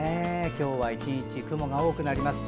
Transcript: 今日は１日、雲が多くなります。